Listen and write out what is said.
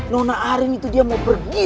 nona hari ini tuh dia mau berdua ya kan